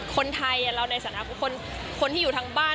คนไทยเราในฐานะคนที่อยู่ทางบ้าน